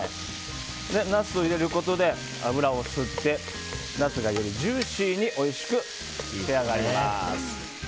ナスを入れることで脂を吸ってナスが、よりジューシーにおいしく仕上がります。